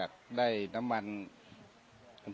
การรูป